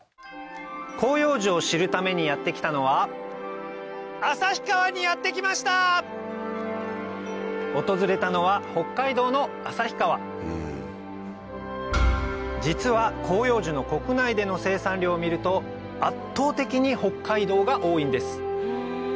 広葉樹を知るためにやって来たのは訪れたのは実は広葉樹の国内での生産量を見ると圧倒的に北海道が多いんです